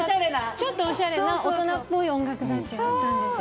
ちょっとおしゃれな大人っぽい音楽雑誌だったんですよ。